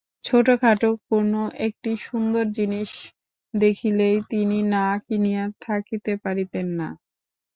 ছোটোখাটো কোনো একটি সুন্দর জিনিস দেখিলেই তিনি না কিনিয়া থাকিতে পারিতেন না।